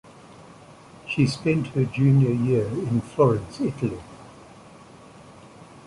She spent her junior year in Florence, Italy.